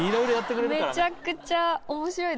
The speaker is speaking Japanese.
めちゃくちゃ面白いですね。